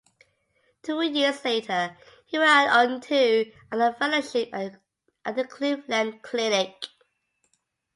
Two years later, he went on to another fellowship at the Cleveland Clinic.